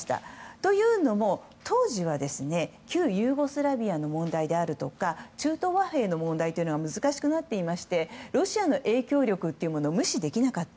というのも当時は、旧ユーゴスラビアの問題であるとか中東和平の問題が難しくなっていましてロシアの影響力を無視できなかった。